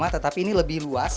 tetapi ini lebih luas